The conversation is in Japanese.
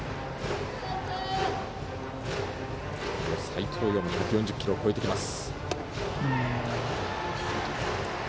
斎藤蓉も１４０キロを超えてきます。